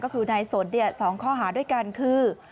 ก็คือในสนเนี่ย๒ข้อหาด้วยกันคือ